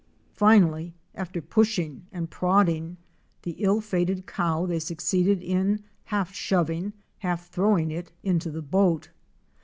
Finally after pushing and prodding the ill fated cow they succeeded in half shoving, half throwing it into the boat.